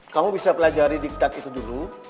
kamu bisa pelajari diklat itu dulu